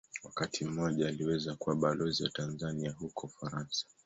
Wakati mmoja aliweza kuwa Balozi wa Tanzania huko Ufaransa.